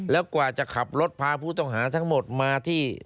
แล้วกว่าจะขับรถพาผู้ต้องหาทั้งหมดมาที่